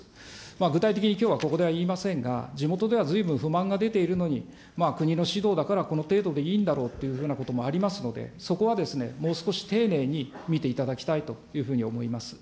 具体的にきょうはここでは言いませんが、地元ではずいぶん不満が出ているのに、国の指導だから、この程度でいいんだろうというようなこともありますので、そこはもう少し丁寧に見ていただきたいというふうに思います。